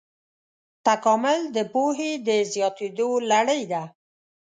تکامل د پوهې د زیاتېدو لړۍ ده.